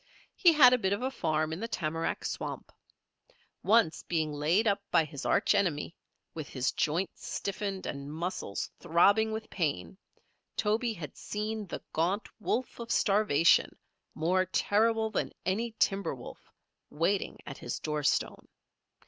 He had a bit of a farm in the tamarack swamp. Once, being laid up by his arch enemy, with his joints stiffened and muscles throbbing with pain, Toby had seen the gaunt wolf of starvation, more terrible than any timber wolf, waiting at his doorstone.